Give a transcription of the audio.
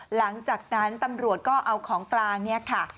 หลังจากนั้นตำรวจก็เอาของกลางเนี่ยค่ะ